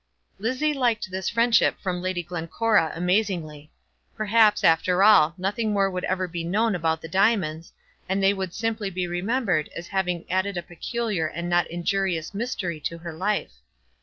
Lizzie liked this friendship from Lady Glencora amazingly. Perhaps, after all, nothing more would ever be known about the diamonds, and they would simply be remembered as having added a peculiar and not injurious mystery to her life.